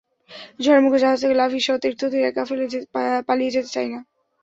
ঝড়ের মুখে জাহাজ থেকে লাফিয়ে সতীর্থদের একা ফেলে পালিয়ে যেতে চাই না।